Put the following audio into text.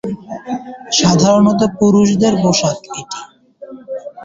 সাধারণত পুরুষদের পোশাক এটি।